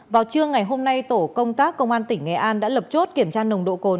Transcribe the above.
vào trưa ngày hôm nay tổ công tác công an tỉnh nghệ an đã lập chốt kiểm tra nồng độ cồn